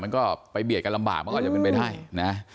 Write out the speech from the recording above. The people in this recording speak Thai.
มันก็ไปเบียดกันลำบากมันก็อาจจะเป็นไปได้นะ